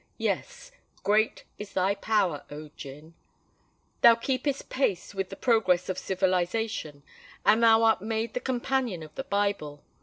Yes—great is thy power, O GIN: thou keepest pace with the progress of civilisation, and thou art made the companion of the Bible.